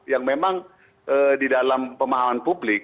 yang memang di dalam pemahaman publik